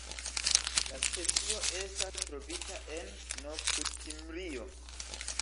La specio estas trovita en Novsudkimrio.